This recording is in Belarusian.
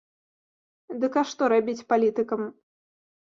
Дык а што рабіць палітыкам?